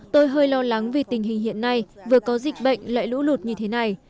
tôi hơi lo lắng vì tình hình hiện nay vừa có dịch bệnh lại lũ lụt như thế này